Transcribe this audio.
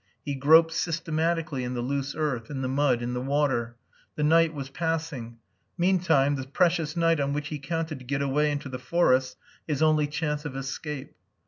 He groped systematically in the loose earth, in the mud, in the water; the night was passing meantime, the precious night on which he counted to get away into the forests, his only chance of escape.